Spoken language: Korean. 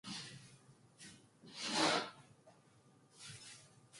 그러나 이제는 정신을 차려 그들을 볼 수가 없이 배가 몹시 고파 온다.